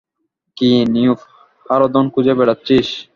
কী নৃপ, হারাধন খুঁজে বেড়াচ্ছিস?